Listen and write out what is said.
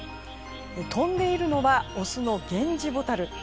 飛んでいるのはオスのゲンジホタル。